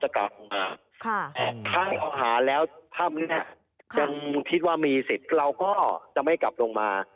ถ้าเราหาแล้วทับมีสิทธิ์เราก็จะไม่กลับลงมา